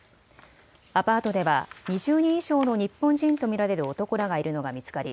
アパートでは２０人以上の日本人と見られる男らがいるのが見つかり